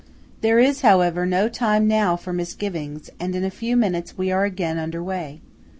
There is, however, no time now for misgivings, and in a few minutes we are again under way.